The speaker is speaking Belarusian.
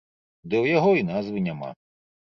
Ды ў яго й назвы няма.